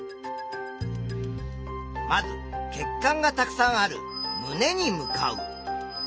まず血管がたくさんある胸に向かう。